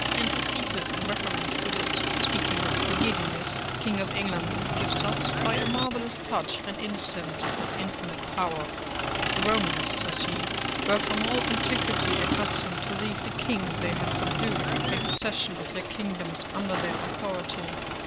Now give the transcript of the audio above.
And Tacitus, in reference to this, speaking of Cogidunus, king of England, gives us, by a marvellous touch, an instance of that infinite power: the Romans, says he, were from all antiquity accustomed to leave the kings they had subdued in possession of their kingdoms under their authority.